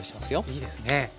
いいですね。